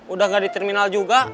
udah gak di terminal juga